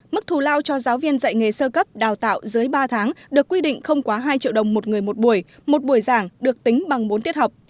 mức thù lao cho giáo viên dạy nghề sơ cấp đào tạo dưới ba tháng được quy định không quá hai triệu đồng một người một buổi một buổi giảng được tính bằng bốn tiết học